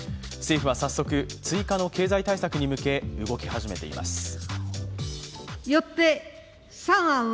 政府は早速、追加の経済対策に向け動き始めています。